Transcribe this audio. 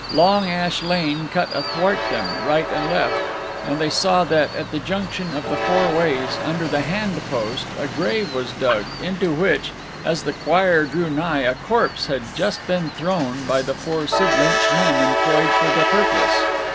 Long Ash Lane cut athwart them, right and left; and they saw that at the junction of the four ways, under the hand post, a grave was dug, into which, as the choir drew nigh, a corpse had just been thrown by the four Sidlinch men employed for the purpose.